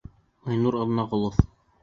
Айнур АҘНАҒОЛОВ: